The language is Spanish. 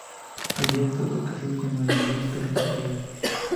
Había estado casado con María Luz Torres Díaz.